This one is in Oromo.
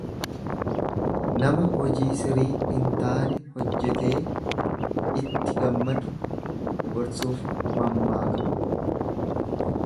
Nama hojii sirii hin taane hojjetee itti gammadu gorsuuf mammaakama.